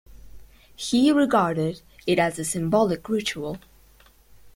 He regarded it as a symbolic ritual.